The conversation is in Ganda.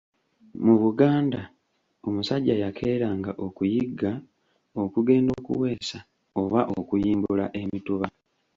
Mu Buganda omusajja yakeeranga okuyigga, okugenda okuweesa oba okuyimbula emituba.